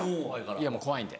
いやもう怖いんで。